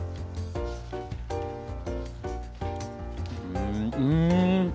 うんうん！